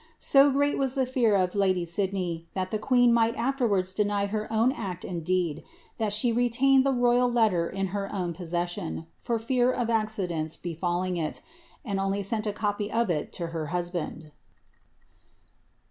So great was the fear of lady Sidney that the queen might afterwards deny her own act and deed, that she retained the royal letter in her own possession, for fear of accidents befalling it, and only sent a copy of it to her husband.